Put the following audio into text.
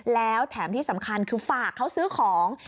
แล้วแถมที่สำคัญคือฝากเขาซื้อของ